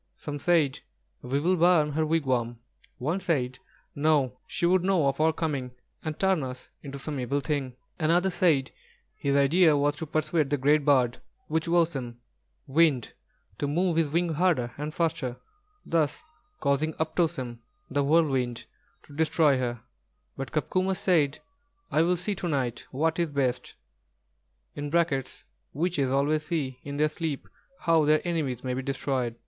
Some said, "We will burn her wigwam;" one said: "No, she would know of our coming and turn us into some evil thing!" Another said his idea was to persuade the great bird, Wūchowsen, Wind, to move his wings harder and faster, thus causing "Uptossem," the Whirlwind, to destroy her; but Copcomus said: "I will see to night what is best." (Witches always see in their sleep how their enemies may be destroyed).